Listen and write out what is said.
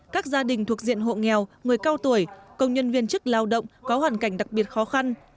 các gia đình thuộc diện hộ nghèo người cao tuổi công nhân viên chức lao động có hoàn cảnh đặc biệt khó khăn